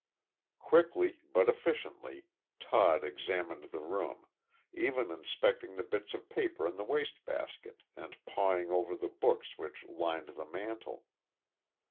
Quickly, but efficiently, Todd examined the room even inspecting the bits of paper in the wastebasket and pawing over the books which lined the mantel.